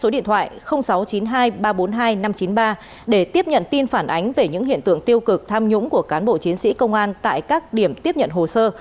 số điện thoại sáu trăm chín mươi hai ba trăm bốn mươi hai năm trăm chín mươi ba để tiếp nhận tin phản ánh về những hiện tượng tiêu cực tham nhũng của cán bộ chiến sĩ công an tại các điểm tiếp nhận hồ sơ